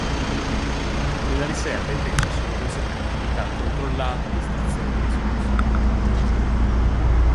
Nella riserva invece sono consentite attività controllate di estrazione di risorse.